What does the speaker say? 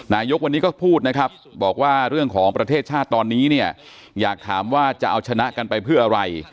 นายกวันนี้ก็พูดนะครับบอกว่าเรื่องของประเทศชาติตอนนี้เนี่ยอยากถามว่าจะเอาชนะกันไปเพื่ออะไร